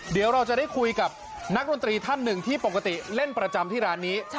เดี๋ยวเราจะได้คุยกับนักดนตรีท่านหนึ่งที่ปกติเล่นประจำที่ร้านนี้